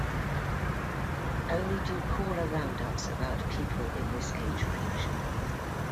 Only do caller round ups about people in this age range.